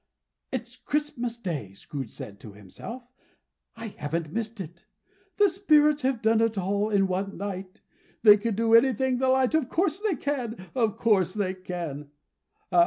"It's Christmas Day!" said Scrooge to himself. "I haven't missed it. The Spirits have done it all in one night. They can do anything they like. Of course they can. Of course they can.